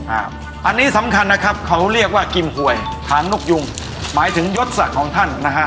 อันนี้สำคัญนะครับเขาเรียกว่ากิมหวยหางนกยุงหมายถึงยศศักดิ์ของท่านนะฮะ